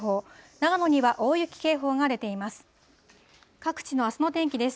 長野には大雪警報が出ています。